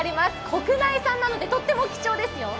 国内産なので、とっても貴重ですよ。